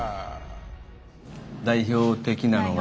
代表的なのが。